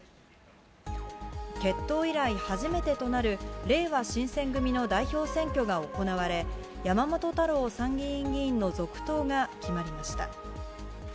結党以来、初めてとなるれいわ新選組の代表選挙が行われ、山本太郎参議院議員の続投が決まりました。